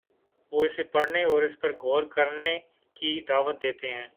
وہ اسے پڑھنے اور اس پر غور کرنے کی دعوت دیتے ہیں۔